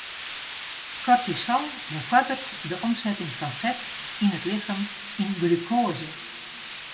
Kortisol befoarderet de omsetting fan fet yn it lichem yn glukoaze.